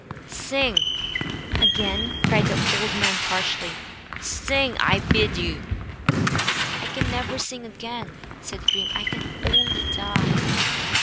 "Sing," again cried the old man, harshly; "sing, I bid you." "I can never sing again," said the dream. "I can only die."